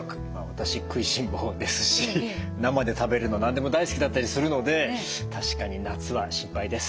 私食いしん坊ですし生で食べるの何でも大好きだったりするので確かに夏は心配です。